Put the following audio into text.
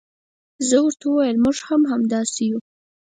زه ورته وویل موږ هم همداسې یو.